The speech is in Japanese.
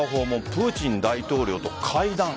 プーチン大統領と会談。